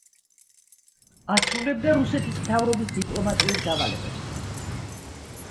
ასრულებდა რუსეთის მთავრობის დიპლომატიურ დავალებებს.